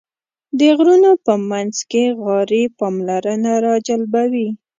د غرونو په منځ کې غارې پاملرنه راجلبوي.